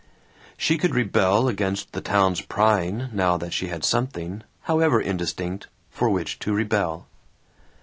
She could rebel against the town's prying now that she had something, however indistinct, for which to rebel.